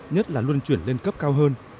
nhất là luân chuyển lên cấp cao hơn